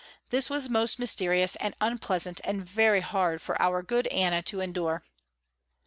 This was most mysterious and unpleasant and very hard for our good Anna to endure.